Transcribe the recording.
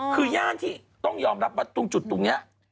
คือย่านที่ต้องยอมรับว่าตรงจุดตรงนี้